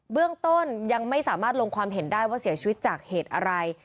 เรื่องต้นยังไม่สามารถลงความเห็นได้ว่าเสียชีวิตจากเหตุอะไร